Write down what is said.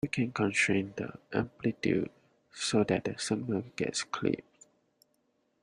We can constrain the amplitude so that the signal gets clipped.